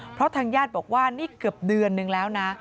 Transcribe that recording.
เพราะทางญาติบอกว่านี่เกือบเดือนนึงแล้วนะ